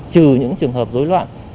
trừ những trường hợp rối loạn